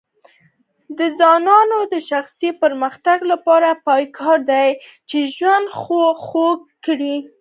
د ځوانانو د شخصي پرمختګ لپاره پکار ده چې ژوند خوږ کړي.